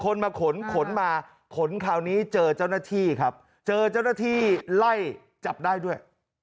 คนมาขนขนมาขนคราวนี้เจอเจ้าหน้าที่ครับเจอเจ้าหน้าที่ไล่จับได้ด้วย